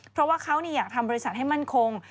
เพราะว่าเขาอยากทำบริษัทให้มั่นคง